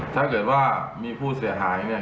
ถ้าเกิดว่ามีผู้เสียหายเนี่ย